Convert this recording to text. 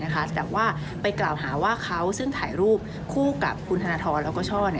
แต่ว่าไปกล่าวหาว่าเขาซึ่งถ่ายรูปคู่กับคุณธนทรแล้วก็ช่อ